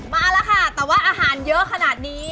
มาแล้วค่ะแต่ว่าอาหารเยอะขนาดนี้